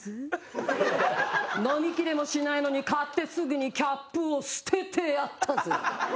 飲みきれもしないのに買ってすぐにキャップを捨ててやったぜ。